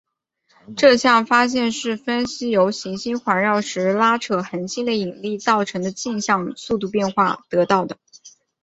这项发现是分析由行星环绕时拉扯恒星的引力造成的径向速度变化得到的。